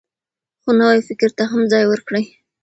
خو نوي فکر ته هم ځای ورکړئ.